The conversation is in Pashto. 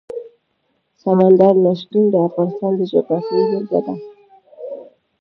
سمندر نه شتون د افغانستان د جغرافیې بېلګه ده.